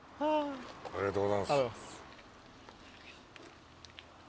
ありがとうございます。